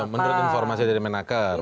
menurut informasi dari menaker